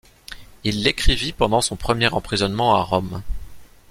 Il l'écrivit pendant son premier emprisonnement à Rome.